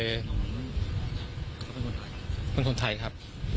มันเป็นคนไทยค่ะ